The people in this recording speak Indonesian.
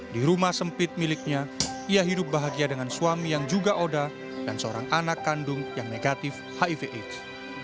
di rumah sempit miliknya ia hidup bahagia dengan suami yang juga oda dan seorang anak kandung yang negatif hiv aids